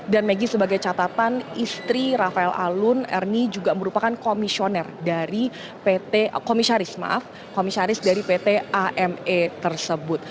dan maggie sebagai catatan istri rafael alun ernie juga merupakan komisioner dari pt komisaris maaf komisaris dari pt ame tersebut